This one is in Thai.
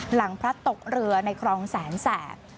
พลัดตกเรือในครองแสนแสบ